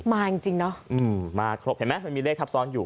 มาจริงเนาะมาครบเห็นไหมมีเลขทับซ้อนอยู่